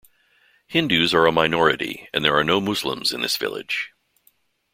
Hindus are a minority and there are no Muslims in this village.